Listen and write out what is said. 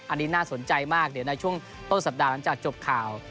อันนี้น่าสนใจมากเดี๋ยวในช่วงต้นสัปดาห์หลังจากจบข่าว